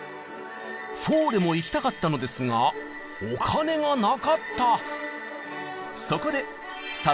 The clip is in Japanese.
フォーレも行きたかったのですがお金がなかった！